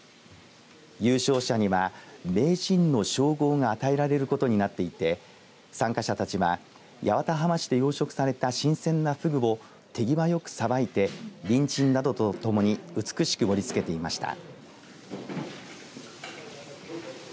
優勝者には名人の称号が与えられることになっていて参加者たちは八幡浜市で養殖された新鮮なふぐを手際よくさばいてにんじんなどとともに美しく盛りつけていました。